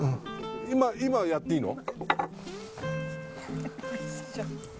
今やっていいの？